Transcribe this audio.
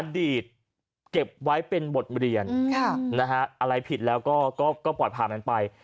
อดีตเก็บไว้เป็นบทเรียนอะไรผิดแล้วก็ปลอดภัณฑ์ไป